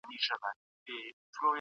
طبیعي ښکلاوې بیان شوي دي.